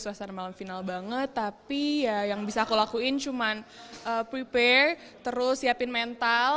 suasana malam final banget tapi ya yang bisa aku lakuin cuman prepare terus siapin mental